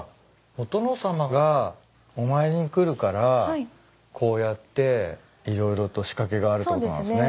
お殿様がお参りに来るからこうやって色々と仕掛けがあるってことなんすね。